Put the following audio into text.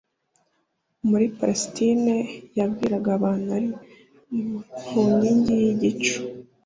muri Palestine yabwiraga abantu ari mu nkingi yigicu